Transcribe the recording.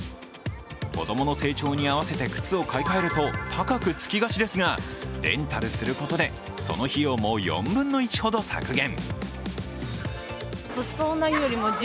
子供の成長に合わせて靴を買いかえると高くつきがちですがレンタルすることでその費用も４分の１ほど削減。